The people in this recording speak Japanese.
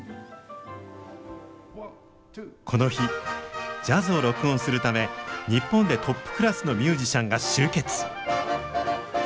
この日ジャズを録音するため日本でトップクラスのミュージシャンが集結。